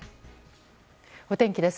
お天気です。